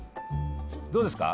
どうですか？